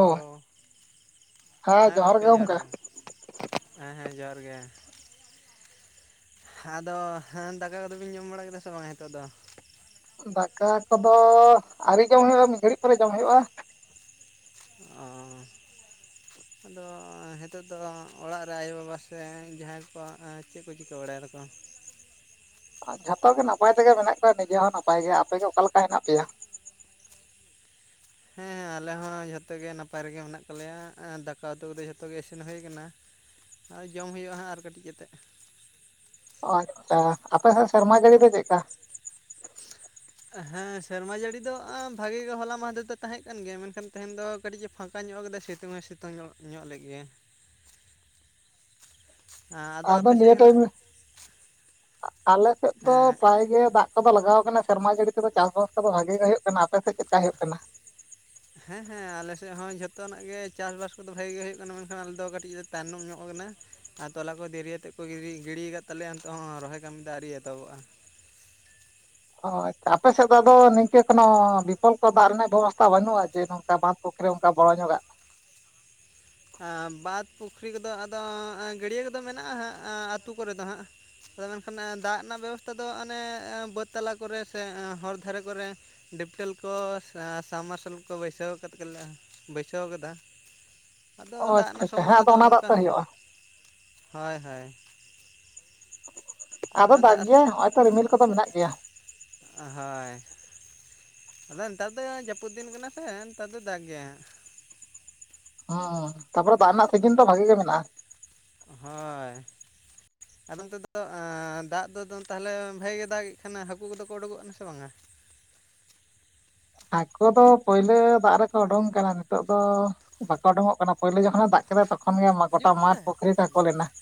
Hello ᱦᱮᱸ ᱜᱚᱢᱠᱮ ᱡᱚᱦᱟᱨ ᱜᱮ ᱦᱮᱸ ᱦᱮᱸ ᱡᱚᱦᱟᱨ ᱜᱮ ᱟᱫᱚ ᱦᱮ ᱫᱟᱠᱟ ᱠᱚᱫᱚᱵᱤᱱ ᱡᱚᱢ ᱵᱟᱲᱟ ᱠᱮᱫᱟ ᱥᱮ ᱵᱟᱝ ᱱᱤᱛᱚᱜ ᱫᱚ ᱫᱟᱠᱟ ᱠᱚᱫᱚ ᱟᱣᱨᱤ ᱡᱚᱢ ᱦᱩᱭᱩᱜ-ᱟ ᱢᱤᱫ ᱜᱷᱟᱹᱲᱤᱡ ᱯᱚᱨᱮ ᱡᱚᱢ ᱦᱩᱭᱩᱜ-ᱟ ᱳ ᱟᱫᱚ ᱱᱤᱛᱚᱜ ᱫᱚ ᱚᱲᱟᱜ ᱨᱮ ᱟᱭᱳ ᱵᱟᱵᱟ ᱥᱮ ᱡᱟᱦᱟᱸᱭ ᱠᱚ ᱪᱮᱫ ᱠᱚ ᱪᱤᱠᱟᱹ ᱵᱟᱲᱟᱭ ᱫᱟᱠᱚ? ᱡᱷᱚᱛᱚ ᱜᱮ ᱱᱟᱯᱟᱭ ᱛᱮᱜᱮ ᱢᱮᱱᱟᱜ ᱠᱚᱣᱟ ᱱᱤᱡᱮ ᱦᱚᱸ ᱱᱟᱯᱟᱭ ᱜᱮ ᱾ ᱟᱯᱮᱜᱮ ᱚᱠᱟ ᱞᱮᱠᱟ ᱦᱮᱱᱟᱜ ᱯᱮᱭᱟ? ᱦᱮᱸ ᱟᱞᱮ ᱦᱚᱸ ᱡᱷᱚᱛᱚ ᱜᱮ ᱱᱟᱯᱟᱭ ᱨᱮᱜᱮ ᱢᱮᱱᱟᱜ ᱠᱟᱜ ᱞᱮᱭᱟ, ᱫᱟᱠᱟ ᱩᱛᱩ ᱠᱚᱫᱚ ᱡᱷᱚᱛᱚ ᱜᱮ ᱤᱥᱤᱱ ᱦᱩᱭ ᱠᱟᱱᱟ ᱾ ᱟ ᱡᱚᱢ ᱦᱩᱭᱩᱜ-ᱟ ᱦᱟᱸᱜ ᱟᱨ ᱠᱟᱹᱴᱤᱡ ᱠᱟᱛᱮᱫ ᱾ ᱚᱱᱠᱟ ᱟᱯᱮ ᱥᱮᱫ ᱥᱮᱨᱢᱟ ᱡᱟᱹᱲᱤ ᱫᱚ ᱪᱮᱜ ᱠᱟ? ᱦᱮᱸ ᱥᱮᱨᱢᱟ ᱡᱟᱹᱲᱤ ᱫᱚ ᱵᱷᱟᱜᱤ ᱜᱮ ᱦᱚᱞᱟ ᱢᱟᱦᱫᱮᱨ ᱫᱚ ᱛᱟᱦᱮᱸ ᱠᱟᱱ ᱜᱮᱭᱟ, ᱢᱮᱱᱠᱷᱟᱱ ᱛᱮᱦᱮᱧ ᱫᱚᱼᱼ ᱠᱟᱹᱴᱤᱡ ᱮ ᱯᱷᱟᱸᱠᱟ ᱧᱚᱜ ᱠᱟᱫᱟ ᱥᱤᱛᱩᱝ ᱦᱚᱸ ᱥᱤᱛᱩᱝ ᱧᱚᱜ ᱞᱮ ᱜᱮ ᱾ ᱟᱫᱚ ᱱᱤᱭᱟᱹ ᱴᱟᱭᱤᱢ, ᱟᱞᱮ ᱥᱮᱫ ᱫᱚ ᱦᱮᱸ ᱯᱨᱟᱭ ᱜᱮ ᱫᱟᱜᱼᱼ ᱫᱟᱜ ᱠᱚᱫᱚ ᱞᱟᱜᱟᱣ ᱠᱟᱱᱟ ᱥᱮᱨᱢᱟ ᱡᱟᱹᱲᱤ ᱠᱚᱫᱚ ᱪᱟᱥᱵᱟᱥ ᱠᱚᱫᱚ ᱵᱷᱟᱜᱤ ᱜᱮ ᱦᱩᱭᱩᱜ ᱠᱟᱱᱟ ᱾ ᱟᱯᱮ ᱥᱮᱫ ᱪᱮᱫ ᱞᱮᱠᱟ ᱦᱩᱭᱩᱜ ᱠᱟᱱᱟ? [inaudible] ᱦᱮᱸ ᱦᱮᱸ ᱟᱞᱮ ᱥᱮᱫ ᱦᱚᱸ ᱡᱷᱚᱛᱚ ᱱᱟᱜ ᱜᱮ ᱪᱟᱥᱵᱟᱥ ᱠᱚᱫᱚ ᱵᱷᱟᱜᱮ ᱜᱮ ᱦᱩᱭᱩᱜ ᱠᱟᱱᱟ, ᱢᱮᱱᱠᱷᱟᱱ ᱟᱞᱮ ᱫᱚ ᱠᱟᱹᱴᱤᱡ ᱛᱟᱭᱱᱚᱢ ᱧᱚᱜ ᱟᱠᱟᱱᱟ ᱾ ᱟᱨ ᱛᱚᱞᱟ ᱠᱚ ᱫᱮᱨᱤ ᱟᱛᱮᱫ ᱠᱚ ᱜᱤᱰᱤ, ᱜᱤᱰᱤ ᱟᱠᱟᱫ ᱛᱟᱞᱮᱭᱟ ᱱᱤᱛᱚᱜ ᱦᱚᱸ ᱨᱚᱦᱚᱭ ᱠᱟᱹᱢᱤ ᱫᱚ ᱟᱹᱨᱤ ᱮᱛᱚᱦᱚᱵᱚᱜ-ᱟ ᱾ ᱦᱚᱭ ᱛᱚ, ᱟᱯᱮ ᱥᱮᱫ ᱫᱚ ᱟᱫᱚ ᱱᱤᱝᱠᱟᱹ ᱠᱳᱱᱳ ᱵᱤᱯᱚᱞᱯᱚ ᱫᱟᱜ ᱨᱮᱱᱟᱜ ᱵᱮᱵᱚᱥᱛᱷᱟ ᱵᱟᱹᱱᱩᱜ-ᱟ ᱡᱮ ᱱᱚᱝᱠᱟᱼᱼ ᱵᱟᱸᱫᱷ ᱯᱩᱠᱷᱨᱤ ᱚᱱᱠᱟ ᱵᱚᱲᱚ ᱧᱚᱜᱟᱜᱼᱼ ᱵᱟᱸᱫᱽ ᱯᱩᱠᱷᱨᱤ ᱠᱚᱫᱚ ᱟᱫᱚ ᱜᱟᱹᱲᱭᱟᱹ ᱠᱚᱫᱚ ᱢᱮᱱᱟᱜ-ᱟ ᱦᱟᱸᱜ ᱟᱹᱛᱩ ᱠᱚᱨᱮ ᱫᱚ ᱦᱟᱸᱜ ᱾ ᱟᱫᱚ ᱢᱮᱱᱠᱷᱟᱱ ᱫᱟᱜ ᱨᱮᱱᱟᱜ ᱵᱮᱵᱚᱥᱛᱷᱟ ᱫᱚ ᱚᱱᱮ ᱵᱟᱹᱫᱽ ᱛᱟᱞᱟ ᱠᱚᱨᱮ ᱥᱮ ᱦᱚᱨ ᱫᱷᱟᱨᱮ ᱠᱚᱨᱮᱼᱼ ᱰᱤᱯᱴᱮᱞ ᱠᱚ ᱥᱟᱵᱽᱢᱟᱨᱥᱟᱞ ᱠᱚ ᱵᱟᱹᱭᱥᱟᱹᱣ ᱠᱟᱛᱮ ᱞᱮ ᱵᱟᱹᱭᱥᱟᱹᱣ ᱠᱟᱫᱟ ᱾ ᱟᱫᱚ ᱚ ᱫᱟᱜ ᱟᱪᱪᱷᱟ ᱨᱮᱱᱟᱜ ᱟᱪᱪᱷᱟ ᱦᱮᱸ ᱥᱚᱢᱚᱥᱥᱟ ᱟᱫᱚ ᱫᱚ ᱚᱱᱟ ᱫᱟᱜ ᱚᱱᱠᱟ ᱛᱮ ᱦᱩᱭᱩᱜᱼᱟ ᱦᱚᱭ ᱦᱚᱭ ᱾ ᱟᱫᱚ ᱫᱟᱜ ᱜᱮᱭᱟᱭ ᱦᱚᱜ-ᱚᱭ ᱛᱚ ᱨᱤᱢᱤᱞ ᱠᱚᱫᱚ ᱢᱮᱱᱟᱜ ᱜᱮᱭᱟ ᱾ ᱚ ᱦᱳᱭ ᱾ ᱟᱫᱚ ᱱᱮᱛᱟᱨ ᱫᱚ ᱡᱟᱹᱯᱩᱫ ᱫᱤᱱ ᱠᱟᱱᱟ ᱥᱮ ᱱᱮᱛᱟᱨ ᱫᱚ ᱫᱟᱜ ᱜᱮᱭᱟ ᱦᱟᱸ ᱾ ᱚ ᱛᱟᱯᱚᱨᱮ ᱫᱟᱜ ᱨᱮᱱᱟᱜ ᱥᱤᱡᱤᱱ ᱫᱚ ᱵᱷᱟᱜᱤ ᱜᱮ ᱢᱮᱱᱟᱜ-ᱟ ᱾ ᱦᱚᱭ ᱾ ᱟᱫᱚ ᱱᱚᱛᱮ ᱫᱚ ᱫᱟᱜ ᱫᱚ ᱛᱟᱦᱚᱞᱮ ᱵᱷᱟᱜᱮ ᱜᱮ ᱫᱟᱜᱮᱫ ᱠᱷᱟᱱᱮ ᱦᱟᱹᱠᱩ ᱠᱚᱫᱚ ᱠᱚ ᱩᱰᱩᱠᱚᱜ ᱠᱟᱱᱟ ᱥᱮ ᱵᱟᱝᱟ? ᱟᱠᱚ ᱫᱚ ᱯᱳᱭᱞᱳ ᱫᱟᱜ ᱨᱮᱠᱚ ᱩᱵᱳᱝ ᱠᱟᱱᱟ ᱱᱤᱛᱳ ᱫᱚ ᱵᱟᱠᱚ ᱩᱰᱳᱠᱚᱜ ᱠᱟᱱᱟ ᱯᱳᱭᱞᱳ ᱡᱚᱠᱷᱚᱱᱮ ᱫᱟᱜᱼᱼ ᱠᱮᱫ ᱛᱚᱠᱷᱚᱱ ᱜᱮ ᱜᱚᱴᱟ ᱢᱟᱴ ᱯᱩᱠᱷᱨᱤ ᱛᱟᱠᱚᱞᱱᱟ ᱾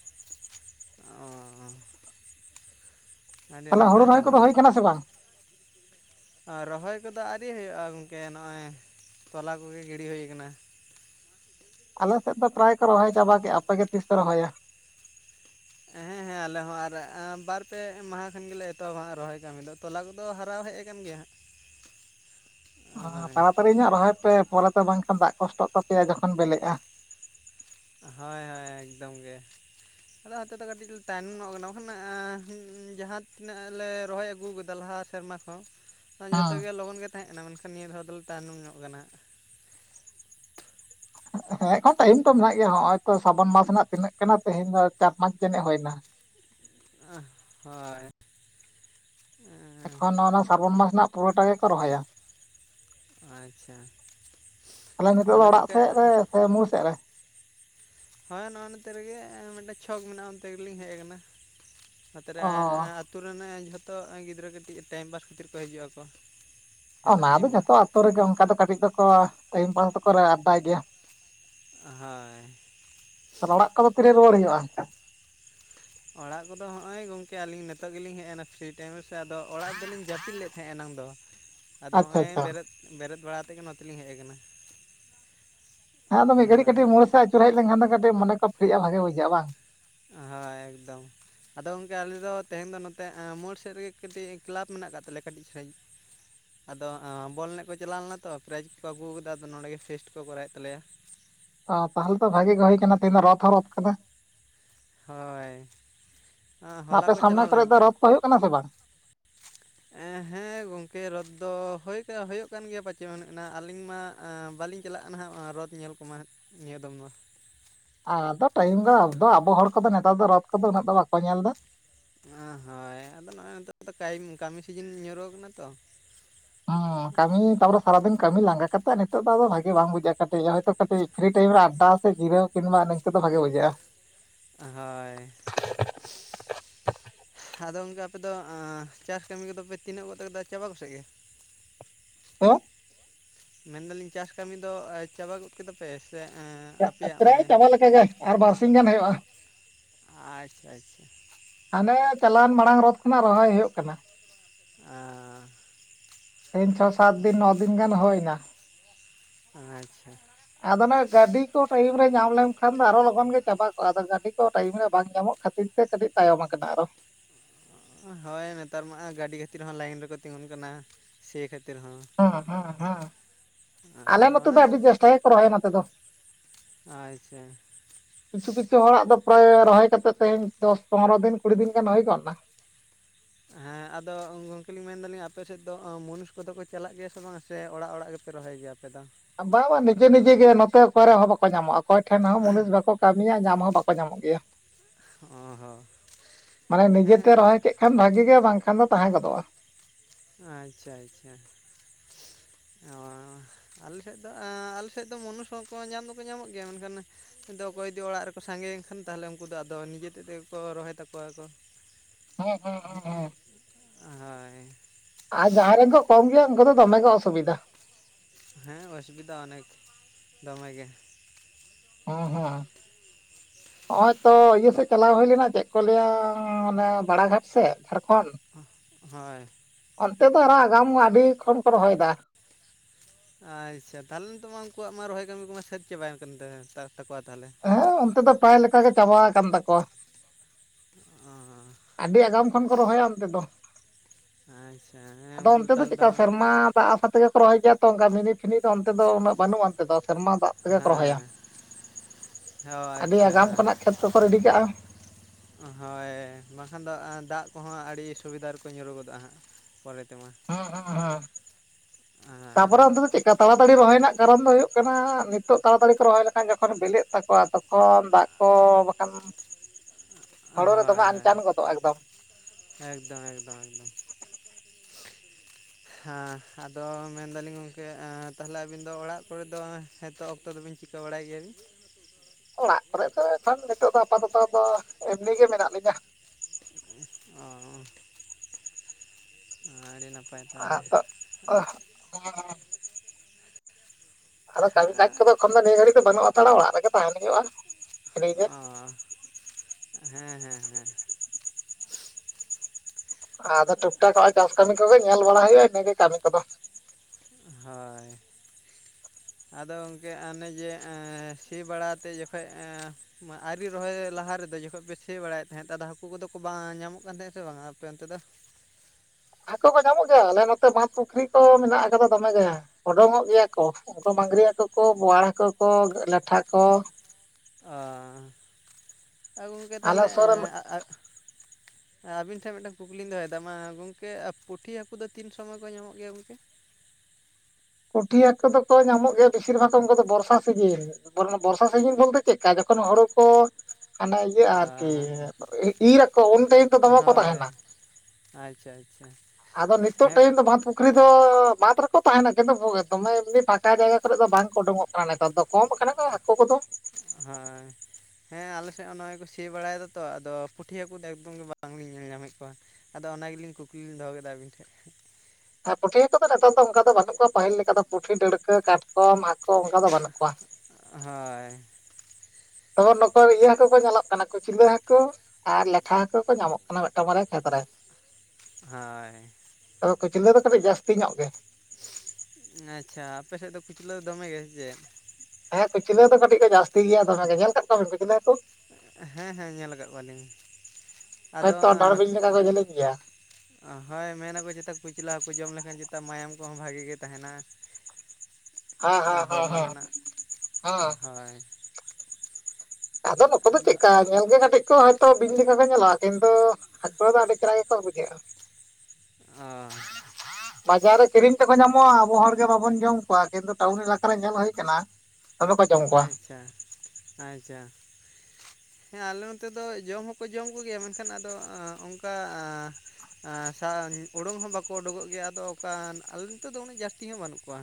ᱚᱻ ᱟᱹᱰᱤ ᱛᱟᱦᱚᱞᱮ ᱦᱩᱲᱩ ᱱᱟᱯᱟᱭ ᱨᱚᱦᱚᱭ ᱠᱚᱫᱚ ᱛᱟᱞᱚᱝ ᱦᱩᱭ ᱾ ᱠᱟᱱᱟ ᱥᱮ ᱵᱟᱝ? ᱟᱨ ᱨᱚᱦᱚᱭ ᱠᱚᱫᱚ ᱟᱹᱣᱨᱤ ᱦᱩᱭᱩᱼᱟ ᱜᱚᱝᱠᱮ ᱱᱚᱜᱼᱚᱭ ᱛᱚᱞᱟ ᱠᱚᱜᱮ ᱜᱤᱰᱤ ᱦᱩᱭᱩ ᱠᱟᱱᱟ ᱾ ᱟᱞᱮᱥᱮᱫ ᱫᱚ ᱯᱮᱨᱟᱭ ᱠᱚ ᱨᱚᱦᱚᱭ ᱪᱟᱵᱟ ᱠᱮᱫᱼᱟ ᱾ ᱟᱯᱮ ᱜᱮ ᱛᱤᱥ ᱯᱮ ᱨᱚᱦᱚᱭᱟ? ᱦᱮᱸ ᱦᱮᱸ ᱾ ᱦᱮᱸ ᱟᱞᱮ ᱦᱚᱸ ᱟᱨ ᱵᱟᱨ ᱯᱮ ᱢᱟᱦᱟ ᱠᱷᱟᱱ ᱜᱮᱞᱮ ᱮᱛᱚᱦᱚᱵ ᱦᱟᱜ ᱨᱚᱦᱚᱭ ᱠᱟᱹᱢᱤ ᱫᱚ, ᱛᱚᱞᱟ ᱠᱚᱫᱚ ᱦᱟᱨᱟᱣ ᱦᱮᱡ ᱟᱠᱟᱱ ᱜᱮᱭᱟ ᱾ [inaudible] ᱛᱟᱲᱟ ᱛᱟᱲᱤ ᱧᱚᱜ ᱨᱚᱦᱚᱭ ᱯᱮ ᱯᱚᱨᱮ ᱛᱚ ᱵᱟᱝᱠᱷᱟᱱ ᱫᱟᱜ ᱠᱚᱥᱴᱚ ᱛᱟᱯᱮᱭᱟ ᱡᱚᱠᱷᱚᱱ ᱵᱮᱞᱮᱭᱟ ᱾ ᱦᱚᱭ ᱦᱚᱭ ᱮᱠᱫᱚᱢ ᱜᱮ ᱾ ᱟᱞᱮ ᱱᱚᱛᱮ ᱫᱚ ᱠᱟᱹᱴᱤᱡ ᱞᱮ ᱛᱟᱭᱚᱢ ᱧᱚᱜ ᱠᱟᱱᱟ ᱵᱟᱠᱷᱟᱱ ᱮ ᱮ ᱦᱩ ᱦᱩ ᱡᱟᱦᱟᱸ ᱛᱤᱱᱟᱹᱜ ᱞᱮ ᱨᱚᱦᱚᱭ ᱟᱹᱜᱩ ᱟᱠᱟᱫᱟ ᱞᱟᱦᱟᱼᱼ ᱥᱮᱨᱢᱟ ᱠᱚ, ᱡᱷᱚᱛᱚ ᱜᱮ ᱦᱮᱸ ᱞᱚᱜᱚᱱ ᱜᱮ ᱛᱟᱦᱮᱸ ᱠᱟᱱᱟ ᱢᱮᱱᱠᱷᱟᱱ ᱱᱤᱭᱟᱹ ᱫᱷᱟᱣ ᱫᱚᱞᱮ ᱛᱟᱭᱱᱚᱢ ᱧᱚᱜ ᱠᱟᱱᱟ ᱦᱟᱸᱜ ᱾ ᱦᱮᱸ ᱮᱠᱷᱚᱱ ᱴᱟᱭᱤᱢ ᱛᱚ ᱢᱮᱱᱟᱜ ᱜᱮᱭᱟ, ᱦᱚᱜᱼᱚᱭ ᱛᱚ ᱥᱟᱵᱚᱱ ᱢᱟᱥ ᱨᱮᱱᱟᱜ ᱛᱤᱱᱟᱹᱜ ᱠᱟᱱᱟ ᱛᱮᱦᱮᱧ ᱫᱚ ᱪᱟᱨ ᱯᱟᱸᱪ ᱡᱚᱱᱤᱡ ᱦᱩᱭᱮᱱᱟ ᱾ ᱚ ᱦᱳᱭ ᱾ ᱮᱠᱷᱚᱱ ᱚᱱᱟ ᱥᱨᱟᱵᱚᱱ ᱢᱟᱥ ᱨᱮᱱᱟᱜ ᱯᱩᱨᱟᱹᱴᱟᱜ ᱜᱮᱠᱚ ᱨᱚᱦᱚᱭᱟ ᱾ ᱟᱪᱪᱷᱟ ᱾ ᱛᱟᱦᱚᱞᱮ ᱱᱤᱛᱚᱜ ᱫᱚ ᱚᱲᱟᱜ ᱥᱮᱫ ᱨᱮ ᱥᱮ ᱢᱩᱲ ᱥᱮᱫ ᱨᱮ? ᱦᱳᱭ ᱱᱚᱜᱼᱚᱭ ᱱᱚᱛᱮ ᱨᱮᱜᱮ ᱢᱤᱫᱴᱮᱱ ᱪᱷᱚᱠ ᱢᱮᱱᱟᱜᱼᱟ ᱚᱱᱛᱮ ᱜᱮᱞᱤᱧ ᱦᱮᱡ ᱟᱠᱟᱱᱟ ᱾ ᱱᱚᱛᱮᱨᱮ ᱚ ᱟᱹᱛᱩ ᱨᱮᱱ ᱡᱷᱚᱛᱚ ᱜᱤᱫᱽᱨᱟᱹ ᱠᱟᱹᱴᱤᱡ ᱴᱟᱭᱤᱢ ᱯᱟᱥ ᱠᱷᱟᱹᱛᱤᱨ ᱠᱚ ᱦᱤᱡᱩᱜ ᱟᱠᱚ ᱾ ᱚᱱᱟ ᱫᱚ ᱡᱚᱛᱚ ᱟᱛᱩ ᱨᱮᱜᱮ ᱚᱱᱠᱟ ᱫᱚ ᱠᱟᱹᱴᱤᱡ ᱫᱚᱠᱚ ᱴᱟᱭᱤᱢ ᱯᱟᱥ ᱫᱚᱠᱚ ᱟᱰᱰᱟᱭ ᱜᱮᱭᱟ ᱾ ᱦᱳᱭ᱾ ᱟᱨ ᱚᱲᱟᱜ ᱠᱚᱫᱚ ᱛᱤᱨᱮ ᱨᱩᱣᱟᱹᱲ ᱦᱩᱭᱩᱼᱟ? ᱚᱲᱟᱜ ᱠᱚᱫᱚ ᱦᱚᱸᱜᱼᱚᱭ ᱜᱚᱝᱠᱮ ᱟᱹᱞᱤᱧ ᱱᱤᱛᱚᱜ ᱜᱮᱞᱤᱧ ᱦᱮᱡ ᱮᱱᱟ ᱯᱷᱨᱤ ᱴᱟᱭᱤᱢ ᱨᱮᱥᱮᱫ ᱟᱫᱚ ᱚᱲᱟᱜ ᱨᱮᱫᱚᱞᱤᱧ ᱡᱟᱹᱯᱤᱫ ᱞᱮᱫ ᱛᱟᱦᱮᱸᱜ-ᱟ ᱮᱱᱟᱝ ᱫᱚ, ᱟᱫᱚ ᱟᱪᱪᱷᱟ ᱦᱚᱸᱭᱼᱚᱭ ᱟᱪᱪᱷᱟ ᱵᱮᱨᱮᱫ ᱵᱮᱨᱮᱫ ᱵᱟᱲᱟ ᱠᱟᱛᱮᱫ ᱜᱮ ᱱᱚᱛᱮᱞᱤᱧ ᱦᱮᱡ ᱟᱠᱟᱱᱟ᱾ ᱦᱮᱸ ᱟᱫᱚ ᱢᱤᱫ ᱜᱷᱤᱡ ᱦᱳᱭ ᱠᱟᱹᱴᱤᱡ ᱢᱳᱲ ᱥᱮᱫ ᱟᱹᱪᱩᱨ ᱦᱮᱡ ᱞᱮᱱᱠᱷᱟᱱ ᱫᱚ ᱠᱟᱹᱴᱤᱡ ᱢᱚᱱᱮ ᱠᱚ ᱯᱷᱤᱨᱤ-ᱟ ᱵᱷᱟᱜᱮ ᱵᱩᱡᱟᱹᱜᱼᱟ ᱵᱟᱝ᱾ ᱦᱳᱭ ᱮᱠᱫᱚᱢ᱾ ᱟᱫᱚ ᱜᱚᱝᱠᱮ ᱟᱞᱮ ᱫᱚ ᱛᱮᱦᱮᱧ ᱫᱚ ᱱᱚᱛᱮ ᱮᱸ ᱢᱳᱲ ᱥᱮᱫ ᱨᱮᱜᱮ ᱠᱟᱹᱴᱤᱡ ᱠᱞᱟᱵᱽ ᱢᱮᱱᱟᱜ ᱟᱠᱟᱫ ᱛᱟᱞᱮᱭᱟ ᱠᱟᱹᱴᱤᱡ ᱥᱟᱦᱤᱡᱽ᱾ ᱟᱫᱚ ᱚ ᱵᱚᱞ ᱮᱱᱮᱡ ᱠᱚ ᱪᱟᱞᱟᱣ ᱞᱮᱱᱟ ᱛᱚ, ᱯᱮᱨᱟᱭᱤᱡ ᱠᱚ ᱟᱹᱜᱩ ᱟᱠᱟᱫᱟ ᱟᱫᱚ ᱱᱚᱸᱰᱮ ᱜᱮ ᱯᱷᱤᱥᱴ ᱠᱚ ᱠᱚᱨᱟᱣᱮᱫ ᱛᱟᱞᱮᱭᱟ᱾ ᱚ ᱛᱟᱦᱚᱞᱮ ᱛᱚ ᱵᱷᱟᱜᱮ ᱜᱮ ᱦᱳᱭ ᱠᱟᱱᱟ ᱛᱮᱦᱮᱧ ᱫᱚ ᱨᱚᱛᱷ ᱦᱚᱸ ᱨᱚᱛᱷ ᱠᱟᱱᱟ᱾ ᱦᱳᱭ ᱮᱸ ᱦᱚᱞᱟ ᱟᱯᱮ ᱠᱚ ᱥᱟᱢᱱᱟ ᱪᱟᱞᱟᱣ ᱞᱮᱱ ᱠᱚᱨᱮ ᱫᱚ ᱨᱚᱛ ᱠᱚ ᱦᱩᱭᱩᱜ ᱠᱟᱱᱟ ᱥᱮ ᱵᱟᱝ ᱮᱸ ᱦᱮᱸ ᱜᱚᱝᱠᱮ ᱨᱚᱛᱷ ᱫᱚ ᱦᱩᱭ ᱠᱟᱱᱟ ᱦᱩᱭᱩᱜ ᱠᱟᱱ ᱜᱮᱭᱟ ᱯᱟᱪᱮᱫ ᱚᱱᱮ ᱚᱱᱟ ᱟᱹᱞᱤᱧ ᱢᱟ ᱮᱸ ᱵᱟᱹᱞᱤᱧ ᱪᱟᱞᱟᱜᱼᱟ ᱱᱟ ᱦᱟᱜ ᱨᱚᱛᱷ ᱠᱩ ᱨᱚᱫ ᱧᱮᱞᱠᱚᱢᱟ ᱱᱤᱭᱟᱹ ᱫᱚᱢ ᱢᱟ᱾ ᱟᱫᱚ ᱴᱟᱭᱤᱢ ᱜᱟ ᱟᱫᱚ ᱟᱵᱚ ᱦᱚᱲ ᱠᱚᱫᱚ ᱱᱮᱛᱟᱨ ᱫᱚ ᱨᱚᱛ ᱠᱚᱫᱚ ᱩᱱᱟᱹᱜ ᱫᱚ ᱵᱟᱠᱚ ᱧᱮᱞ ᱮᱫᱟ᱾ ᱚ ᱦᱳᱭ ᱟᱫᱚ ᱱᱚᱜᱼᱚᱭ ᱱᱤᱛᱚᱜ ᱫᱚ ᱠᱟᱭᱤᱢ ᱠᱟᱹᱢᱤ ᱥᱤᱡᱤᱱ ᱧᱩᱨᱩ ᱟᱠᱟᱱᱟ ᱛᱚ᱾ ᱦᱩᱸ ᱠᱟᱹᱢᱤ ᱛᱟᱯᱚᱨᱮ ᱥᱟᱨᱟᱫᱤᱱ ᱠᱟᱹᱢᱤ ᱞᱟᱸᱜᱟ ᱠᱟᱛᱮᱜ ᱱᱤᱛᱚᱜ ᱫᱚ ᱟᱫᱚ ᱵᱷᱟᱜᱮ ᱵᱟᱝ ᱵᱩᱡᱷᱟᱹᱜ-ᱟ᱾ ᱠᱟᱹᱴᱤᱡ ᱦᱳᱭᱛᱳ ᱠᱟᱹᱴᱤᱡ ᱯᱷᱨᱤ ᱴᱟᱭᱤᱢ ᱨᱮ ᱟᱰᱰᱟ ᱥᱮ ᱡᱤᱨᱟᱣ ᱠᱤᱝᱵᱟ ᱱᱤᱝᱠᱟᱹ ᱫᱚ ᱵᱷᱟᱜᱮ ᱵᱩᱡᱷᱟᱹᱜᱼᱟ᱾ ᱦᱳᱭ᱾ ᱟᱫᱚ ᱜᱚᱝᱠᱮ ᱟᱯᱮᱫᱚ ᱮᱸ ᱪᱟᱥ ᱠᱟᱹᱢᱤ ᱠᱚᱫᱚᱯᱮ ᱛᱤᱱᱟᱹᱜ ᱜᱚᱫ ᱠᱟᱫᱟ ᱪᱟᱵᱟ ᱠᱚᱥᱮᱫ ᱜᱮ? ᱦᱮᱸ? ᱢᱮᱱᱫᱟᱞᱤᱧ ᱪᱟᱥ ᱠᱟᱹᱢᱤ ᱫᱚ ᱮ ᱪᱟᱵᱟ ᱜᱚᱫ ᱠᱮᱫᱟᱯᱮ? ᱯᱮ ᱮᱸᱻ ᱪᱟᱜ ᱯᱮᱨᱟᱭ ᱪᱟᱵᱟ ᱞᱮᱠᱟᱜᱮ ᱟᱨ ᱵᱟᱨᱥᱤᱧ ᱜᱟᱱ ᱦᱩᱭᱩᱭᱟ᱾ ᱟᱪᱪᱷᱟ ᱟᱪᱪᱷᱟ᱾ ᱦᱟᱱᱮ ᱪᱟᱞᱟᱣᱮᱱ ᱢᱟᱲᱟᱝ ᱨᱚᱛᱷ ᱠᱷᱚᱱᱟᱜ ᱨᱚᱦᱚᱭ ᱦᱩᱭᱩᱜ ᱠᱟᱱᱟ᱾ ᱟᱻ ᱛᱤᱦᱤᱧ ᱪᱷᱚ ᱥᱟᱛ ᱫᱤᱱ ᱱᱚ ᱫᱤᱱ ᱜᱟᱱ ᱦᱩᱭ ᱱᱟ᱾ ᱟᱸ, ᱟᱪᱪᱷᱟ ᱟᱫᱚ ᱚᱱᱟ ᱜᱟᱹᱰᱤ ᱠᱚ ᱴᱟᱭᱤᱢ ᱨᱮ ᱧᱟᱢ ᱞᱮᱢᱠᱷᱟᱱ ᱫᱚ ᱟᱨᱚ ᱞᱚᱜᱚᱱ ᱜᱮ ᱪᱟᱵᱟ ᱠᱚᱜᱼᱟ ᱟᱫᱚ ᱜᱟᱹᱰᱤ ᱠᱚ ᱴᱟᱭᱤᱢ ᱨᱮ ᱵᱟᱝ ᱧᱟᱢᱚᱜ ᱠᱷᱟᱹᱛᱤᱨ ᱛᱮ ᱠᱟᱹᱴᱤᱡ ᱛᱟᱭᱚᱢ ᱟᱠᱟᱱᱟ ᱟᱨᱚ᱾ ᱦᱳᱭ ᱱᱮᱛᱟᱨ ᱢᱟ ᱜᱟᱹᱰᱤ ᱠᱦᱟᱹᱛᱤᱨ ᱦᱚᱸ ᱞᱟᱭᱤᱱ ᱨᱮᱠᱚ ᱛᱤᱸᱜᱩᱱ ᱠᱟᱱᱟ᱾ ᱥᱮ ᱠᱷᱟᱹᱛᱤᱨ ᱦᱚᱸ᱾ ᱦᱮᱸ ᱦᱮᱸ ᱦᱮᱸ ᱟᱸ, ᱟᱞᱮ ᱱᱚᱛᱮ ᱚᱱᱟ ᱫᱚ ᱟᱹᱰᱤ ᱡᱮᱥᱴᱟ ᱜᱮᱠᱚ ᱨᱚᱦᱚᱭᱟ ᱱᱚᱛᱮ ᱫᱚ᱾ ᱟᱪᱪᱷᱟ᱾ ᱠᱤᱪᱷᱩ ᱠᱤᱪᱷᱩ ᱦᱚᱲᱟᱜ ᱫᱚ ᱯᱨᱟᱭ ᱨᱚᱦᱚᱭ ᱠᱟᱛᱮ ᱛᱮᱦᱮᱧ ᱫᱚᱥ ᱯᱚᱱᱨᱚ ᱫᱤᱱ ᱠᱩᱲᱤ ᱫᱤᱱ ᱜᱟᱱ ᱦᱩᱭ ᱜᱚᱫ ᱮᱱᱟ᱾ ᱦᱮᱸ ᱟᱫᱚ ᱜᱚᱝᱠᱮ ᱞᱤᱧ ᱢᱮᱱᱫᱟᱞᱤᱧ ᱟᱯᱮ ᱥᱮᱫ ᱫᱚ ᱢᱚᱱᱩᱥ ᱠᱚᱫᱚ ᱠᱚ ᱪᱟᱞᱟᱜ ᱜᱮᱭᱟ ᱥᱮ ᱵᱟᱝ? ᱥᱮ ᱚᱲᱟᱜ ᱚᱲᱟᱜ ᱜᱮᱯᱮ ᱨᱚᱦᱚᱭ ᱜᱮᱭᱟ ᱟᱯᱮ ᱫᱚ᱾ ᱵᱟ ᱵᱟ ᱱᱤᱡᱮ ᱱᱤᱡᱮ ᱜᱮ ᱱᱚᱛᱮ ᱚᱠᱟᱨᱮ ᱦᱚᱲ ᱵᱟᱠᱚ ᱧᱟᱢᱚᱜᱼᱟ᱾ ᱚᱠᱚᱭ ᱴᱷᱮᱱ ᱦᱚᱸ ᱢᱩᱱᱤᱥ ᱵᱟᱠᱚ ᱠᱟᱹᱢᱤᱭᱟ ᱧᱟᱢ ᱦᱚᱸ ᱵᱟᱠᱚ ᱧᱟᱢᱚᱜ ᱜᱮᱭᱟ᱾ ᱚ ᱦᱚᱸ ᱢᱟᱱᱮ ᱱᱤᱡᱮᱛᱮ ᱦᱮᱸ ᱨᱚᱦᱚᱭ ᱠᱮᱜ ᱠᱷᱟᱱ ᱵᱷᱟᱜᱮ ᱜᱮ ᱵᱟᱝᱠᱷᱟᱱ ᱫᱚ ᱛᱟᱦᱮᱸ ᱜᱚᱫᱚᱜᱼᱟ᱾ ᱟᱪᱪᱷᱟ ᱟᱪᱪᱷᱟ ᱚ᱾ ᱟᱞᱮ ᱥᱮᱫ ᱫᱚ ᱮᱸ ᱟᱞᱮ ᱥᱮᱫ ᱫᱚ ᱢᱚᱱᱩᱥ ᱦᱚᱸᱠᱚ ᱧᱟᱢ ᱫᱚᱠᱚ ᱧᱟᱢᱚᱜ ᱜᱮᱭᱟ᱾ ᱢᱮᱱᱠᱷᱟᱱ ᱫᱚ ᱚᱠᱚᱭ ᱫᱚ ᱚᱲᱟᱜ ᱨᱮᱠᱚ ᱥᱟᱸᱜᱮᱭᱮᱱᱠᱷᱟᱱ ᱛᱟᱦᱚᱞᱮ ᱩᱱᱠᱩ ᱫᱚ ᱟᱫᱚ ᱱᱤᱡᱮ ᱛᱮᱫ ᱛᱮᱜᱮ ᱠᱚ ᱨᱚᱦᱚᱭ ᱛᱟᱠᱚᱣᱟ ᱠᱚ᱾ ᱦᱮᱸ ᱦᱮᱸ ᱦᱮᱸ ᱦᱮᱸ᱾ ᱦᱳᱭ᱾ ᱟᱨ ᱡᱟᱦᱟᱸᱭ ᱨᱮᱱ ᱠᱚ ᱠᱚᱢ ᱜᱮᱭᱟ ᱩᱱᱠᱩ ᱫᱚ ᱫᱚᱢᱮ ᱜᱮ ᱚᱥᱩᱵᱤᱫᱟ᱾ ᱦᱮᱸ ᱚᱥᱩᱵᱤᱫᱟ ᱚᱱᱮᱠ ᱫᱚᱢᱮ ᱜᱮ ᱾ ᱦᱚᱸ ᱦᱚᱸ ᱦᱚᱸᱜᱼᱚᱭ ᱛᱚ ᱤᱭᱟᱹ ᱥᱮᱫ ᱪᱟᱞᱟᱣ ᱦᱩᱭ ᱞᱮᱱᱟ, ᱪᱮᱫ ᱠᱚ ᱞᱟᱹᱭᱟ ᱚᱱᱮ ᱵᱟᱲᱟᱜᱷᱟᱴ ᱥᱮᱫ ᱡᱷᱟᱲᱠᱷᱚᱱᱰ ᱦᱳᱭ ᱚᱱᱛᱮ ᱫᱚ ᱟᱨᱚ ᱟᱜᱟᱢ ᱟᱹᱰᱤ ᱠᱷᱚᱱ ᱠᱚ ᱨᱚᱦᱚᱭᱫᱟ ᱾ ᱟᱪᱪᱷᱟ ᱛᱟᱦᱚᱞᱮ ᱱᱤᱛᱚᱜ ᱢᱟ ᱩᱱᱠᱩᱣᱟᱜ ᱢᱟ ᱨᱚᱦᱚᱭ ᱠᱟᱹᱢᱤ ᱠᱚᱢᱟ ᱥᱟᱹᱛ ᱪᱟᱵᱟᱭ ᱠᱟᱱ ᱛᱟᱠᱚᱣᱟ ᱛᱟᱦᱚᱞᱮ᱾ ᱦᱮᱸ ᱚᱱᱛᱮ ᱫᱚ ᱯᱨᱟᱭ ᱞᱮᱠᱟ ᱜᱮ ᱪᱟᱵᱟ ᱠᱟᱱ ᱛᱟᱠᱚᱣᱟ ᱾ ᱚ᱾ ᱟᱹᱰᱤ ᱟᱜᱟᱢ ᱠᱷᱚᱱ ᱠᱚ ᱨᱚᱦᱚᱭᱟ ᱚᱱᱛᱮ ᱫᱚ, ᱟᱪᱪᱷᱟ ᱦᱮᱸ ᱟᱫᱚ ᱩᱱᱠᱩ ᱚᱱᱛᱮ ᱫᱚ ᱛᱟᱦᱚᱞᱮ ᱪᱮᱫᱠᱟ ᱫᱚᱢᱮ ᱥᱮᱨᱢᱟ ᱫᱟᱜ ᱟᱥᱟ ᱛᱮᱜᱮ ᱠᱚ ᱨᱚᱦᱚᱭ ᱜᱮᱭᱟ ᱛᱚ ᱚᱱᱠᱟ ᱢᱤᱱᱤ ᱯᱷᱤᱱᱤ ᱫᱚ ᱚᱱᱛᱮ ᱫᱚ ᱩᱱᱟᱹᱜ ᱵᱟᱹᱱᱩᱜᱼᱟ ᱚᱱᱛᱮ ᱫᱚ ᱥᱮᱨᱢᱟ ᱫᱟᱜ ᱛᱮᱜᱮ ᱠᱚ ᱨᱚᱦᱚᱭᱟ ᱦᱮᱸ᱾ ᱚ ᱟᱹᱰᱤ ᱟᱪᱪᱷᱟ ᱟᱜᱟᱢ ᱠᱷᱚᱱᱟᱜ ᱠᱷᱮᱛ ᱠᱚᱠᱚ ᱨᱮᱰᱤ ᱠᱟᱜᱼᱟ ᱾ ᱦᱳᱭ ᱵᱟᱝᱠᱷᱟᱱ ᱫᱚ ᱫᱟᱜ ᱠᱚᱦᱚᱸ ᱟᱹᱰᱤ ᱥᱩᱵᱤᱫᱟ ᱨᱮᱠᱚ ᱧᱩᱨᱩ ᱜᱚᱫᱚᱜᱼᱟ ᱦᱟᱸᱜ ᱯᱚᱨᱮ ᱛᱮᱢᱟ ᱾ ᱦᱩᱸᱜ ᱦᱩᱸᱜ ᱦᱩᱸᱜ᱾ [inaudible] ᱛᱟᱨᱯᱚᱨᱮ ᱚᱱᱛᱮ ᱫᱚ ᱪᱮᱫᱠᱟ ᱛᱟᱲᱟᱛᱟᱲᱤ ᱨᱚᱦᱚᱭ ᱨᱮᱱᱟᱜ ᱠᱟᱨᱚᱱ ᱫᱚ ᱦᱩᱭᱩᱜ ᱠᱟᱱᱟ, ᱱᱤᱛᱚᱜ ᱛᱟᱲᱟᱛᱟᱲᱤ ᱠᱚ ᱨᱚᱦᱚᱭ ᱞᱮᱠᱷᱟᱱ ᱡᱚᱠᱷᱚᱱ ᱵᱤᱞᱮᱜ ᱛᱠᱚᱣᱟ ᱛᱚ ᱠᱷᱚᱱ ᱫᱟᱜ ᱠᱚ ᱵᱟᱠᱷᱟᱱ [inaudible] ᱦᱳᱲᱳ ᱨᱮ ᱫᱚᱢᱮ ᱦᱳᱭ ᱦᱳᱭ ᱟᱱ-ᱪᱟᱱ ᱜᱚᱫᱚᱜᱼᱟ ᱮᱠᱫᱚᱢ ᱾ ᱮᱠᱫᱚᱢ ᱮᱠᱫᱚᱢ ᱮᱠᱫᱚᱢ᱾ ᱦᱮᱸ ᱟᱫᱚ ᱢᱮᱱᱫᱟᱞᱤᱧ ᱜᱚᱢᱠᱮ ᱛᱟᱦᱚᱞᱮ ᱟᱹᱵᱤᱱ ᱫᱚ ᱚᱲᱟᱜ ᱠᱚᱨᱮ ᱫᱚ ᱱᱤᱛᱚᱜ ᱚᱠᱛᱚ ᱫᱚᱵᱤᱱ ᱪᱤᱠ ᱪᱤᱠᱟᱹ ᱵᱟᱲᱟᱭ ᱜᱮᱭᱟᱵᱤᱱ? ᱚᱲᱟᱜ ᱠᱚᱨᱮ ᱫᱚ ᱮᱠᱷᱚᱱ ᱱᱤᱛᱚᱜ ᱫᱚ ᱟᱯᱟᱛᱚᱛᱚ ᱫᱚ ᱮᱢᱱᱤ ᱜᱮ ᱢᱮᱱᱟᱜ ᱞᱤᱧᱟ ᱾ ᱩᱸᱜ ᱚᱻ᱾ ᱟᱹᱰᱤ ᱱᱟᱯ [unintelligible] [inaudible] ᱟᱫᱚ ᱠᱟᱹᱢᱤ ᱠᱟᱡᱽ ᱦᱮᱸ ᱠᱚᱫᱚ ᱮᱠᱷᱚᱱ ᱫᱚ ᱱᱤᱭᱟᱹ ᱜᱷᱟᱹᱲᱤ ᱫᱚ ᱵᱟᱹᱱᱩᱜ ᱦᱟᱛᱟᱲᱟ ᱚᱲᱟᱜ ᱨᱮᱜᱮ ᱛᱟᱦᱮᱸᱱ ᱦᱩᱭᱩᱜᱼᱟ ᱾ ᱚᱻ ᱦᱮᱸ ᱦᱮᱸ ᱦᱮᱸ᱾ ᱟᱫᱚ ᱴᱩᱠᱴᱟᱠ ᱱᱚᱸᱜᱼᱚᱭ ᱪᱟᱥ ᱠᱟᱹᱢᱤ ᱠᱚᱜᱮ ᱧᱮᱞ ᱵᱟᱲᱟ ᱦᱩᱭᱩᱜᱼᱟ ᱤᱱᱟᱹᱜᱮ ᱠᱟᱹᱢᱤ ᱠᱚᱫᱚ ᱾ ᱦᱳᱭ᱾ ᱟᱫᱚ ᱜᱚᱢᱠᱮ ᱚᱱᱮ ᱡᱮ ᱮᱸ ᱥᱤ ᱵᱟᱲᱟᱛᱮ ᱡᱚᱠᱷᱚᱡ ᱮᱸ ᱟᱹᱣᱨᱤ ᱨᱚᱦᱚᱭ ᱞᱟᱦᱟ ᱨᱮᱫᱚ ᱡᱚᱠᱷᱚᱡ ᱥᱤ ᱵᱟᱲᱟᱭᱮᱫ ᱛᱟᱦᱮᱸᱫ ᱟᱫᱚ ᱦᱟᱹᱠᱩ ᱠᱚᱫᱚ ᱠᱚ ᱵᱟᱝᱟ ᱧᱟᱢᱚᱜ ᱠᱟᱱ ᱛᱟᱦᱮᱸᱫ ᱥᱮ ᱵᱟᱝᱟ ᱟᱯᱮ ᱚᱱᱛᱮ ᱫᱚ? ᱦᱟᱠᱳ ᱠᱚ ᱧᱟᱢᱚᱜ ᱜᱮᱭᱟ ᱟᱞᱮ ᱱᱚᱛᱮ ᱵᱟᱸᱫᱚ ᱯᱩᱠᱷᱨᱤ ᱠᱚ ᱢᱮᱱᱟᱜ ᱠᱟᱫᱟ ᱫᱚᱢᱮ ᱜᱮ ᱳᱰᱳᱝᱚᱜ ᱜᱮᱭᱟ ᱠᱚ ᱾ ᱩᱱᱠᱩ ᱢᱟᱝᱜᱽᱨᱤ ᱦᱟᱠᱳ ᱠᱚ ᱵᱳᱣᱟᱲ ᱦᱟᱠᱳ ᱠᱚ ᱞᱟᱴᱷᱟ ᱠᱚ, ᱟ ᱟ ᱜᱚᱝᱠᱮ ᱟᱞᱮ ᱛᱟᱦᱚᱞᱮ ᱥᱩᱨ ᱟ ᱨᱮ ᱮ ᱟ ᱦᱮᱸ ᱟᱵᱤᱱ ᱴᱷᱮᱱ ᱢᱤᱫᱴᱟᱝ ᱠᱩᱠᱞᱤᱧ ᱫᱚᱦᱚᱭᱮᱫᱟ, ᱢᱟ ᱜᱚᱢᱠᱮ ᱯᱩᱴᱷᱤ ᱦᱟᱹᱠᱩ ᱫᱚ, ᱛᱤᱱ ᱥᱚᱢᱚᱭ ᱠᱚ ᱧᱟᱢᱚᱜ ᱜᱮᱭᱟ ᱜᱚᱝᱠᱮ? ᱯᱩᱴᱷᱤ ᱦᱟᱹᱠᱩ ᱫᱚᱠᱚ ᱧᱟᱢᱚᱜ ᱜᱮᱭᱟ, ᱵᱤᱥᱤᱨ ᱵᱷᱟᱜᱽ ᱩᱱᱠᱩ ᱫᱚ ᱵᱚᱨᱥᱟ ᱥᱤᱡᱤᱱ ᱾ ᱵᱚᱨᱥᱟ ᱥᱤᱡᱤᱱ ᱵᱚᱞᱛᱮ ᱪᱮᱫᱠᱟ? ᱡᱚᱠᱷᱚᱱ ᱦᱩᱲᱩ ᱠᱚ ᱦᱟᱸᱱᱮ ᱤᱭᱟᱹᱜᱼᱟ ᱟᱨᱠᱤ ᱤᱨ ᱟᱠᱚ ᱩᱱ ᱛᱮᱜᱮ ᱛᱚ ᱫᱚᱢᱮ ᱠᱚ ᱦᱳᱭ ᱛᱟᱦᱮᱸᱱᱟ ᱾ ᱟᱪᱪᱷᱟ ᱟᱪᱪᱷᱟ ᱾ ᱟᱫᱚ ᱱᱤᱛᱚᱜ ᱴᱟᱭᱤᱢ ᱫᱚ ᱵᱟᱸᱫᱷ ᱯᱩ ᱠᱷᱨᱤ ᱫᱚ ᱵᱟᱸᱫᱽ ᱨᱮᱠᱚ ᱛᱟᱦᱮᱸᱱᱟ, ᱠᱤᱱᱛᱩ ᱫᱚᱢᱮ ᱮᱢᱱᱤ ᱯᱷᱟᱸᱠᱟ ᱡᱟᱭᱜᱟ ᱠᱚᱨᱮ ᱫᱚ, ᱵᱟᱝ ᱠᱚ ᱩᱰᱩᱠᱚᱜ ᱠᱟᱱᱟ ᱱᱮᱛᱟᱨ ᱫᱚ ᱾ ᱠᱚᱢ ᱠᱟᱱᱟ ᱠᱚ ᱦᱟᱠᱳ ᱠᱚᱫᱚ ᱾ ᱦᱚᱭ ᱾ ᱦᱮᱸ ᱟᱞᱮᱥᱮᱫ ᱦᱚᱸ ᱱᱚᱜᱚᱭ ᱠᱚ ᱥᱤ ᱵᱟᱲᱟᱭ ᱫᱟ ᱛᱚ, ᱟᱫᱚ ᱯᱩᱴᱷᱤ ᱦᱟᱹᱠᱩ ᱫᱚ, ᱮᱠᱫᱚᱢ ᱜᱮ ᱵᱟᱝᱞᱤᱧ ᱧᱮᱞ ᱧᱟᱢᱮᱫ ᱠᱚᱣᱟ ᱾ ᱟᱫᱚ ᱚᱱᱟ ᱜᱮᱞᱤᱧ ᱠᱩᱠᱞᱤ ᱞᱤᱧ ᱫᱚᱦᱚ ᱠᱮᱫᱟ ᱟᱹᱵᱤᱱ ᱴᱷᱮᱡ᱾ ᱦᱮᱸ ᱯᱩᱴᱷᱤ ᱠᱚᱫᱚ ᱱᱮᱛᱟᱨ ᱫᱚ ᱚᱱᱠᱟ ᱫᱚ ᱵᱟᱹᱱᱩᱜ ᱠᱚᱣᱟ ᱯᱟᱹᱦᱤᱞ ᱞᱮᱠᱟ ᱫᱚ ᱯᱩᱴᱷᱤ, ᱰᱟᱹᱲᱠᱟᱹ, ᱠᱟᱴᱠᱚᱢ, ᱦᱟᱠᱳ ᱚᱱᱠᱟ ᱫᱚ ᱵᱟᱹᱱᱩᱜ ᱠᱚᱣᱟ ᱾ ᱦᱳᱭ ᱾ ᱛᱟᱹᱣ ᱱᱚᱠᱩ ᱤᱭᱟᱹ ᱦᱟᱹᱠᱩ ᱠᱚ ᱧᱮᱞᱚᱜ ᱠᱟᱱᱟ, ᱠᱩᱪᱞᱟᱹ ᱦᱟᱹᱠᱩᱻ ᱟᱨ ᱞᱮᱴᱷᱟ ᱦᱟᱹᱠᱩ ᱠᱚ ᱧᱟᱢᱚᱜ ᱠᱟᱱᱟ, ᱢᱤᱫᱴᱟᱝ ᱵᱟᱨᱭᱟ ᱠᱷᱮᱛ ᱨᱮ ᱾ ᱦᱳᱭ ᱛ ᱠᱩᱪᱞᱟᱹ ᱫᱚ ᱠᱟᱹᱴᱤᱡ ᱡᱟᱹᱥᱛᱤ ᱧᱚᱜ ᱜᱮ, ᱟᱪᱪᱷᱟ ᱟᱯᱮ ᱥᱮᱫ ᱫᱚ ᱠᱩᱪᱞᱟᱹ ᱫᱚᱢᱮ ᱜᱮ ᱥᱮ ᱪᱮᱫ? ᱦᱮᱸ ᱠᱩᱪᱞᱟᱹ ᱫᱚ ᱠᱟᱹᱴᱤᱡ ᱠᱚ ᱡᱟᱹᱥᱛᱤ ᱜᱮᱭᱟ ᱫᱚᱢᱮ ᱜᱮ ᱧᱮᱞ ᱠᱟᱜ ᱠᱚᱣᱟ ᱵᱤᱱ ᱠᱩᱪᱞᱟᱹ ᱦᱟᱠᱩ? ᱦᱮᱸ ᱦᱮᱸ ᱧᱮᱞ ᱟᱠᱟᱫ ᱠᱚᱣᱟ ᱞᱤᱧ᱾ ᱦᱚᱭᱛᱚ ᱰᱷᱚᱸᱲ ᱵᱤᱧ ᱞᱮᱠᱟ ᱠᱚ ᱡᱮᱞᱮᱧ ᱜᱮᱭᱟ᱾ ᱦᱚᱭ ᱢᱮᱱᱟᱠᱚ ᱪᱮᱛᱟ ᱠᱩᱪᱞᱟ. ᱦᱟ. ᱠᱩ ᱡᱚᱢ ᱞᱮᱠᱷᱟᱱ ᱪᱮᱛᱟ ᱢᱟᱭᱟᱢ ᱠᱚᱦᱚᱸ ᱵᱷᱟᱜᱤ ᱜᱮ ᱛᱟᱦᱮᱱᱟ ᱾ ᱦᱮᱸ ᱦᱚᱲᱢᱚ ᱨᱮᱱᱟᱜ ᱦᱮᱸ ᱦᱳᱭ, ᱟᱫᱚ ᱱᱩᱠᱩ ᱫᱚ ᱪᱤᱠᱟ ᱧᱮᱞ ᱜᱮ ᱠᱟᱹᱴᱤᱡ ᱦᱚᱭᱛᱚ ᱵᱤᱧ ᱞᱮᱠᱟ ᱠᱚ ᱧᱮᱞᱚᱜ-ᱟ, ᱠᱤᱱᱛᱩ ᱦᱟᱹᱠᱩ ᱫᱚ ᱟᱹᱰᱤ ᱪᱮᱦᱨᱟ ᱜᱮᱠᱚ ᱵᱩᱡᱷᱟᱹᱜ-ᱟ, ᱚ ᱵᱟᱡᱟᱨ ᱨᱮ ᱠᱤᱨᱤᱧ [inaudible] ᱧᱟᱢᱚᱜ-ᱟ ᱟᱵᱚ ᱦᱚᱲᱜᱮ ᱵᱟᱵᱚᱱ ᱡᱚᱢ ᱠᱚᱣᱟ ᱠᱤᱱᱛᱩ ᱴᱟᱣᱩᱱ ᱮᱞᱟᱠᱟ ᱨᱮ ᱧᱮᱞ ᱦᱩᱭ ᱠᱟᱱᱟ ᱫᱚᱢᱮ ᱠᱚ ᱡᱚᱢ ᱠᱚᱣᱟ ᱟᱪᱪᱷᱟ, ᱟᱪᱪᱷᱟ᱾ ᱦᱮᱸ ᱟᱞᱮ ᱱᱚᱛᱮ ᱫᱚ ᱡᱚᱢ ᱦᱚᱸᱠᱚ ᱡᱚᱢ ᱠᱚᱜᱮᱭᱟ ᱢᱮᱱᱠᱷᱟᱱ ᱟᱫᱚ ᱚᱱᱠᱟ ᱟᱸ ᱥᱟ ᱩᱰᱩᱝ ᱦᱚᱸ ᱵᱟᱠᱚ ᱩᱰᱩᱠᱚᱜ ᱜᱮᱭᱟ ᱛᱚ ᱚᱱᱠᱟᱱ ᱟᱞᱮ ᱱᱮᱛᱮ ᱫᱚ ᱩᱱᱟᱹᱜ ᱡᱟᱹᱥᱛᱤ ᱦᱚᱸ ᱵᱟᱹᱱᱩᱜ ᱠᱚᱣᱟ᱾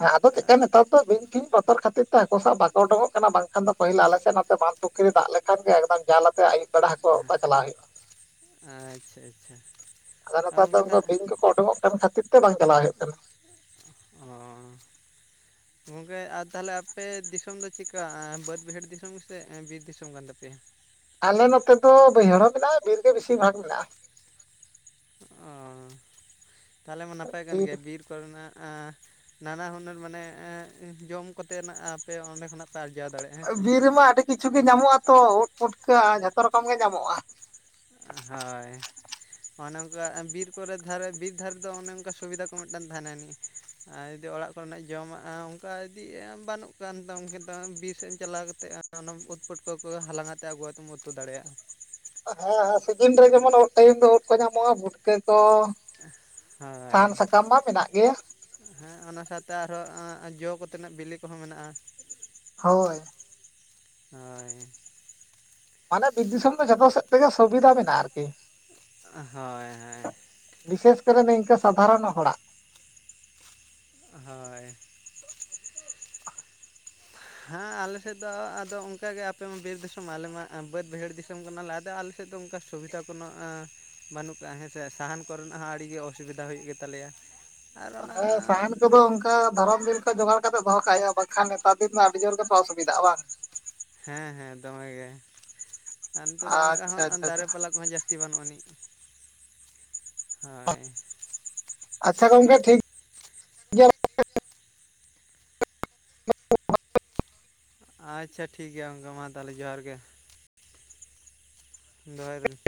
ᱦᱮᱸ ᱟᱫᱚ ᱪᱮᱫᱠᱟ ᱱᱮᱛᱟᱨ ᱫᱚ ᱵᱤᱧ ᱯᱷᱤᱧ ᱵᱚᱛᱚᱨ ᱠᱷᱟᱹᱛᱤᱨ ᱛᱮ ᱦᱟᱹᱠᱩ ᱥᱟᱵ ᱵᱟᱠᱚ ᱩᱰᱩᱠᱚᱜ ᱠᱟᱱᱟ ᱵᱟᱝᱠᱷᱟᱱ ᱫᱚ ᱯᱟ. ᱦᱤᱞ ᱟᱞᱮ ᱥᱮᱫ ᱱᱚᱛᱮ ᱵᱟᱱᱫᱷ ᱯᱩᱠᱷᱨᱤ ᱫᱟᱜ ᱞᱮᱠᱷᱟᱱ ᱜᱮ ᱮᱠᱫᱚᱢ ᱡᱟᱞ ᱟᱛᱮ ᱟᱹᱭᱩᱵ ᱵᱮᱲᱟ ᱦᱟᱠᱩ ᱚᱛᱟ ᱪᱟᱞᱟᱣ ᱦᱩᱭᱩᱜ-ᱟ ᱾ ᱟᱪᱪᱷᱟ ᱟᱪᱪᱷᱟ ᱾ ᱟᱫᱚ ᱱᱮᱛᱟᱨ ᱫᱚ ᱵᱤᱧ ᱠᱚᱠᱚ ᱩᱰᱩᱠᱚᱜ ᱠᱟᱱ ᱠᱷᱟᱹᱛᱤᱨ ᱛᱮ ᱵᱟᱝ ᱪᱟᱞᱟᱣ ᱦᱩᱭᱩᱜ ᱠᱟᱱᱟ᱾ ᱚᱸᱻ ᱜᱚᱝᱠᱮ ᱟᱨ ᱛᱟᱦᱚᱞᱮ ᱟᱯᱮ ᱫᱤᱥᱚᱢ ᱫᱚ ᱪᱮᱠᱟ? ᱵᱟᱹᱫ ᱵᱟᱹᱭᱦᱟᱹᱲ ᱫᱤᱥᱚᱢ ᱥᱮ ᱵᱤᱨ ᱫᱤᱥᱚᱢ ᱠᱟᱱ ᱛᱟᱯᱮᱭᱟ? ᱟᱞᱮ ᱱᱚᱛᱮ ᱫᱚ ᱵᱟᱹᱭᱦᱟᱹᱲ ᱦᱚᱸ ᱢᱮᱱᱟᱜ-ᱟ, ᱵᱤᱨ ᱜᱮ ᱵᱮᱥᱤ ᱵᱷᱟᱜᱽ ᱢᱮᱱᱟᱜ-ᱟ ᱾ ᱚ ᱛᱟᱦᱚᱞᱮ ᱢᱟ ᱱᱟᱯᱟᱭ ᱠᱟᱱ ᱵᱤᱨ ᱜᱮᱭᱟ, ᱵᱤᱨᱻ ᱠᱚᱨᱮᱱᱟᱜ ᱱᱟᱱᱟ ᱦᱩᱱᱟᱹᱨ ᱢᱟᱱᱮ ᱡᱚᱢ ᱠᱚᱛᱮ ᱱᱟᱜ ᱟᱯᱮ ᱚᱸᱰᱮ ᱠᱷᱚᱱᱟᱜ ᱟᱨᱡᱟᱣ ᱫᱟᱲᱮᱭᱟᱜ-ᱟ ᱾ ᱵᱤᱨ ᱨᱮᱢᱟ ᱟᱹᱰᱤ ᱠᱤᱪᱷᱩ ᱜᱮ ᱧᱟᱢᱚᱜ-ᱟ ᱛᱚ, ᱩᱫ, ᱯᱩᱴᱠᱟᱹ ᱡᱷᱚᱛᱚ ᱨᱚᱠᱚᱢ ᱜᱮ ᱧᱟᱢᱚᱜ-ᱟ ᱾ ᱦᱚᱭ ᱾ ᱚᱱᱮ ᱚᱱᱠᱟ ᱵᱤᱨ ᱠᱚᱨᱮ ᱫᱷᱟᱨᱮ, ᱵᱤᱨ ᱫᱷᱟᱨᱮ ᱫᱚ, ᱚᱱᱮ ᱚᱱᱠᱟ ᱥᱩᱵᱤᱫᱷᱟ ᱠᱚ ᱢᱤᱫᱴᱟᱱ ᱛᱟᱦᱮᱱᱟ ᱱᱤᱡ ᱾ ᱟᱨ ᱡᱩᱫᱤ ᱚᱲᱟᱜ ᱠᱚᱨᱮᱱᱟᱜ ᱡᱚᱢᱟᱜ-ᱟ ᱚᱱᱠᱟ ᱤᱫᱤ ᱵᱟᱹᱱᱩᱜ ᱠᱟᱱ ᱛᱟᱢ ᱵᱤᱨ ᱥᱮᱫ ᱮᱢ ᱪᱟᱞᱟᱣ ᱠᱟᱛᱮᱜ ᱦᱟᱸᱜ ᱚᱱᱟ ᱩᱫ, ᱯᱩᱴᱠᱟᱹ ᱠᱚ ᱦᱟᱞᱟᱝ ᱟᱛᱮ ᱟᱹᱜᱩ ᱠᱟᱛᱮᱢ, ᱩᱛᱩ ᱫᱟᱲᱮᱭᱟᱜ-ᱟ ᱾ ᱦᱮᱸ ᱦᱮ ᱥᱤᱡᱤᱱ ᱨᱮ ᱡᱮᱢᱚᱱ ᱩᱫ ᱴᱟᱭᱤᱢ ᱫᱚ ᱩᱫ ᱠᱚ ᱧᱟᱢᱚᱜ-ᱟ, ᱵᱷᱩᱴᱠᱟᱹ ᱠᱚ ᱥᱟᱦᱟᱱ, ᱦᱳᱭ᱾ ᱥᱟᱠᱟᱢ ᱢᱟ ᱢᱮᱱᱟᱜ ᱜᱮᱭᱟ ᱾ ᱦᱮᱸ ᱚᱱᱟ ᱥᱟᱶᱛᱮ ᱟᱨᱦᱚᱸ ᱡᱚ, ᱠᱚᱛᱮᱱᱟᱜ ᱵᱤᱞᱤ ᱠᱚᱦᱚᱸ ᱢᱮᱱᱟᱜ-ᱟ ᱾ ᱦᱳᱭ ᱾ ᱦᱳᱭ ᱾ ᱢᱟᱱᱮ ᱵᱤᱨ ᱫᱤᱥᱚᱢ ᱫᱚ, ᱡᱷᱚᱛᱚ ᱥᱮᱫ ᱛᱮᱜᱮ ᱥᱩᱵᱤᱫᱟ ᱢᱮᱱᱟᱜ-ᱟ ᱟᱨᱠᱤ ᱾ ᱦᱳᱭ ᱦᱳᱭ᱾ ᱵᱤᱥᱮᱥ ᱠᱚᱨᱮ ᱫᱚ ᱱᱤᱝᱠᱟᱹ ᱥᱟᱫᱷᱟᱨᱚᱱ ᱦᱚᱲᱟᱜ᱾ ᱦᱳᱭ [unintelligible] ᱦᱮᱸ ᱟᱞᱮ ᱥᱮᱫ ᱫᱚ ᱟᱫᱚ ᱚᱱᱠᱟᱜᱮ ᱟᱯᱮᱢᱟ ᱵᱤᱨ ᱫᱤᱥᱚᱢ ᱟᱞᱮᱢᱟ ᱵᱟᱹᱫᱽ ᱵᱟᱹᱭᱟᱹᱲ ᱫᱤᱥᱚᱢ ᱠᱟᱱᱟᱞᱮ, ᱟᱫᱚ ᱟᱞᱮ ᱥᱮᱫ ᱫᱚ ᱚᱱᱠᱟ ᱥᱩᱵᱤᱫᱟ ᱠᱳᱱᱳ ᱵᱟᱹᱱᱩᱜ ᱠᱟᱜ-ᱟ ᱦᱮᱸ ᱥᱮ ᱥᱟᱦᱟᱱ ᱠᱚᱨᱮᱱᱟᱜ ᱦᱚᱸ ᱟᱹᱰᱤ ᱜᱮ ᱚᱥᱩᱵᱤᱫᱟ ᱦᱩᱭᱩᱜ ᱜᱮᱛᱟ ᱞᱮᱭᱟ᱾ [inaudible] ᱦᱮ ᱥᱟᱦᱟᱱ ᱠᱚᱫᱚ ᱚᱱᱠᱟ ᱟᱸ ᱫᱷᱚᱨᱚᱱ ᱫᱤᱱ ᱠᱚ ᱡᱚᱜᱟᱲ ᱠᱟᱛᱮᱫ ᱫᱚᱦᱚ ᱠᱟᱜ ᱦᱩᱭᱩᱜᱼᱟ ᱵᱟᱝᱠᱷᱟᱱ ᱱᱮᱛᱟᱨ ᱫᱤᱱ ᱫᱚ ᱟᱹᱰᱤ ᱡᱳᱨ ᱜᱮ ᱠᱚ ᱚᱥᱩᱵᱤᱫᱟᱜᱼᱟ ᱵᱟᱝ ᱾ ᱦᱮᱸ ᱦᱮᱸ ᱫᱚᱢᱮ ᱜᱮ ᱟᱨ ᱱᱤᱛᱚᱜ ᱫᱚ ᱚᱱᱠᱟ ᱟᱪᱪᱷᱟ ᱦᱚᱸ ᱟᱹᱱ ᱟᱪᱪᱷᱟ ᱫᱟᱨᱮ ᱟᱪᱪᱷᱟ ᱯᱟᱞᱟ ᱠᱚᱦᱚᱸ ᱡᱟᱥ ᱛᱤ ᱵᱟᱹᱱᱩᱜ ᱟᱹᱱᱤᱡ ᱾ ᱟᱪᱪᱷᱟ ᱜᱚᱝᱠᱮ ᱴᱷᱤᱠ ᱜᱮᱭᱟ ᱟᱪᱪᱷᱟ ᱴᱷᱤᱠ ᱜᱮᱭᱟ ᱜᱚᱝᱠᱮ ᱢᱟ ᱛᱟᱦᱞᱮ ᱡᱚᱦᱟᱨ ᱜᱮ ᱾ ᱫᱚᱦᱚᱭ ᱫᱟᱞᱤᱧ ᱾